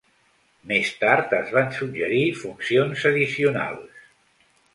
Més tard, es van suggerir funcions addicionals.